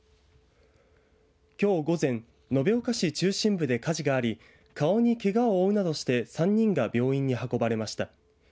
きょう午前、延岡市中心部で火事があり顔にけがを負うなどして３人が病院に運ばれました。